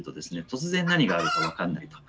突然何があるか分かんないと。